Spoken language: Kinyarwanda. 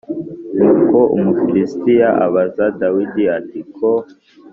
Nuko Umufilisitiya abaza Dawidi ati Ko